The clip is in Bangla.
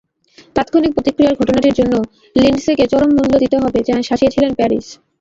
তাত্ক্ষণিক প্রতিক্রিয়ায় ঘটনাটির জন্য লিন্ডসেকে চরম মূল্য দিতে হবে বলে শাসিয়েছিলেন প্যারিস।